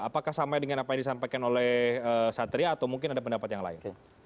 apakah sama dengan apa yang disampaikan oleh satria atau mungkin ada pendapat yang lain